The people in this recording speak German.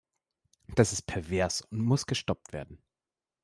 Das ist pervers und muss gestoppt werden.